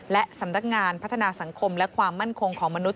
และสำนักงานพัฒนาสังคมและความมั่นคงของมนุษย